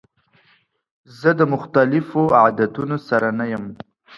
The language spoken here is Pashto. زه د مختلفو عادتونو سره نه یم.